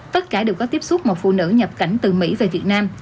tất cả đều có tiếp xúc một phụ nữ nhập cảnh từ mỹ về việt nam